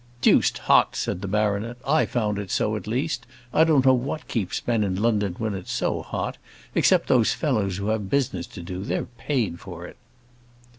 "Deuced hot," said the baronet. "I found it so, at least. I don't know what keeps men in London when it's so hot; except those fellows who have business to do: they're paid for it."